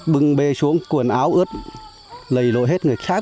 bưng bê xuống cuồn áo ướt lấy lội hết người khác